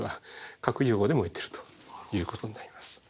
核融合で燃えてるということになります。